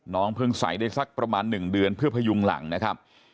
เพิ่งใส่ได้สักประมาณ๑เดือนเพื่อพยุงหลังนะครับ